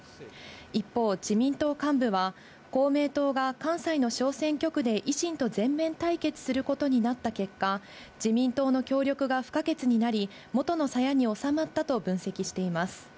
一方、自民党幹部は、公明党が関西の小選挙区で維新と全面対決することになった結果、自民党の協力が不可欠になり、元のさやに納まったと分析しています。